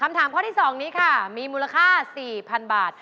คำถามข้อที่๒นี้ค่ะมีมูลค่า๔๐๐๐บาท